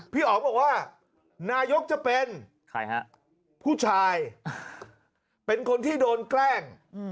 อ๋อบอกว่านายกจะเป็นผู้ชายเป็นคนที่โดนแกล้ง